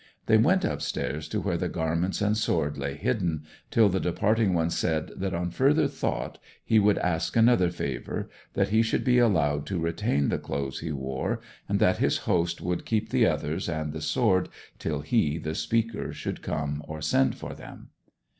They went upstairs to where the garments and sword lay hidden, till the departing one said that on further thought he would ask another favour: that he should be allowed to retain the clothes he wore, and that his host would keep the others and the sword till he, the speaker, should come or send for them.